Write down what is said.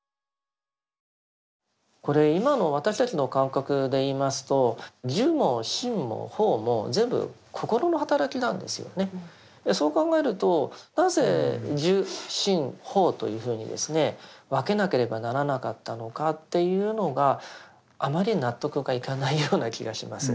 これ今の私たちの感覚でいいますとそう考えるとなぜ受心法というふうに分けなければならなかったのかというのがあまり納得がいかないような気がします。